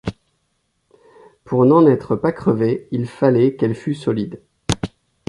Pour n’en être pas crevée, il fallait qu’elle fût solide.